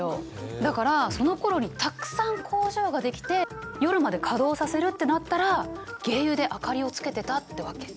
だからそのころにたくさん工場が出来て夜まで稼働させるってなったら鯨油で明かりをつけてたってわけ。